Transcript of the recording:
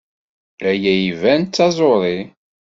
Aya iban d taẓuṛi.